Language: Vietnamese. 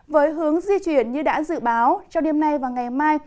với hướng di chuyển như đã dự báo cho đêm nay và ngày mai